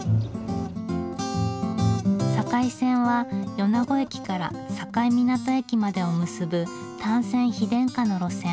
境線は米子駅から境港駅までを結ぶ単線・非電化の路線。